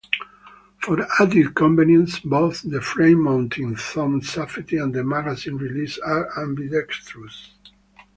For added convenience, both the frame-mounted thumb safety and the magazine release are ambidextrous.